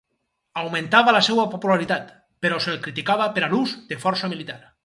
Augmentava la seva popularitat, però se'l criticava per a l'ús de força militar.